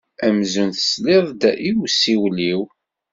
Amzun tesliḍ-d i usiwel-iw.